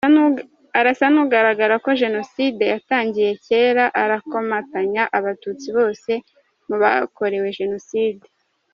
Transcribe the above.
Arasa n’ugaragaza ko jenoside yatangiye cyera, arakomatanya abatutsi bose mu bakorewe jenoside.